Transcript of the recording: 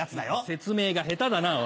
説明が下手だな！